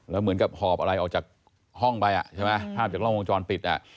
แล้วเหมือนกับหอบอะไรออกจากห้องไปอ่ะใช่ไหมภาพจากล้องวงจรปิดอ่ะ